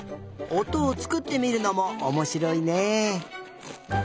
おとをつくってみるのもおもしろいね。